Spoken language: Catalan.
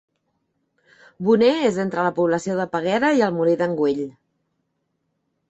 Bonner és entre la població de Peguera i el Molí d'en Güell.